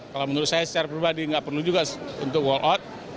kalau menurut saya secara pribadi tidak perlu juga untuk walkout